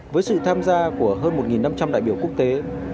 với sự tham gia của hơn một năm trăm linh đại biểu quốc tế